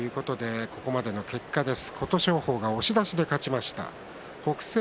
ここまでの結果です。